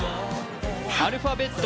アルファベット